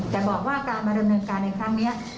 แต่บอกว่าการมาดำเนินการในครั้งนี้